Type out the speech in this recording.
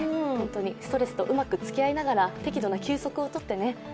ストレスとうまくつきあいながら適度な休息をとって。